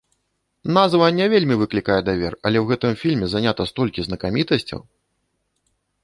Назва не вельмі выклікае давер, але ў гэтым фільме занята столькі знакамітасцяў!